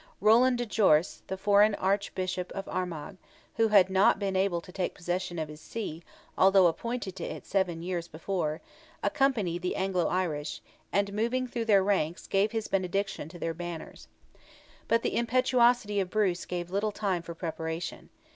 Roland de Jorse, the foreign Archbishop of Armagh—who had not been able to take possession of his see, though appointed to it seven years before—accompanied the Anglo Irish, and moving through their ranks, gave his benediction to their banners. But the impetuosity of Bruce gave little time for preparation.